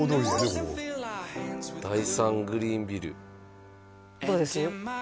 ここ第３グリーンビルどうです？